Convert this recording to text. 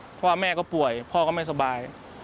เพราะว่าแม่ก็ป่วยพ่อก็ไม่สบาย